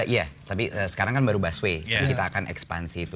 iya tapi sekarang kan baru busway jadi kita akan ekspansi itu